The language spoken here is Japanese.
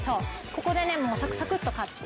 ここでねもうサクサクッと買って。